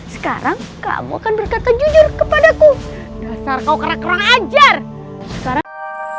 sekarang kamu akan berkata jujur kepadaku dasar kau kerak kerang ajar sekarang